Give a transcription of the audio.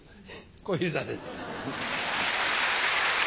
小遊三です。